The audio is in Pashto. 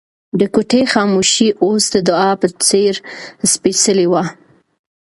د کوټې خاموشي اوس د دعا په څېر سپېڅلې وه.